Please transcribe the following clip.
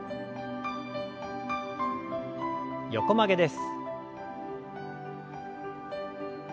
横曲げです。